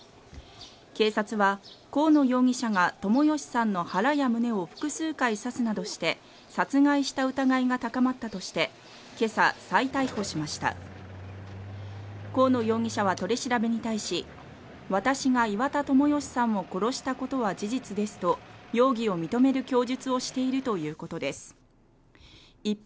警察は高野容疑者が友義さんの腹や胸を複数回刺すなどして殺害した疑いが高まったとして今朝再逮捕しました河野容疑者は取り調べに対し私が岩田友義さんも殺したことは事実ですと容疑を認める供述をしているということです一方